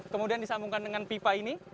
kemudian disambungkan dengan pipa ini